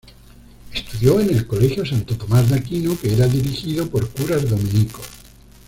Estudió en el colegio Santo Tomás de Aquino, que era dirigido por curas dominicos.